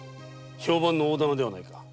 評判の大店ではないか？